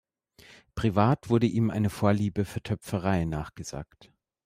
Privat wurde ihm eine Vorliebe für Töpferei nachgesagt.